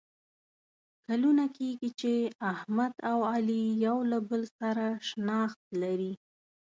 کلونه کېږي چې احمد او علي یو له بل سره شناخت لري.